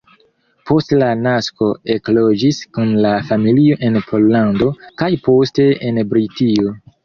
Post la nasko ekloĝis kun la familio en Pollando, kaj poste en Britio.